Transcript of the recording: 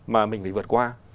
mà mình phải vượt qua